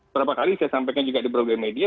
beberapa kali saya sampaikan juga di program media